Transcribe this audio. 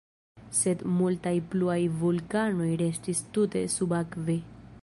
Sed multaj pluaj vulkanoj restis tute subakve.